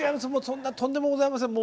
そんなとんでもございません。